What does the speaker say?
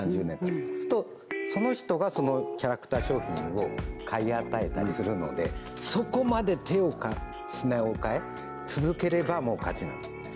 ３０年たつとその人がそのキャラクター商品を買い与えたりするのでそこまで手を変え品を変え続ければもう勝ちなんです